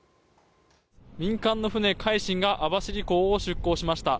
民間の船「海進」が網走港を出港しました。